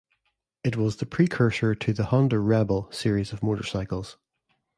It was a precursor to the Honda Rebel series of motorcycles.